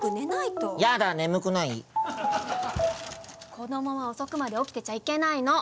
子どもは遅くまで起きてちゃいけないの！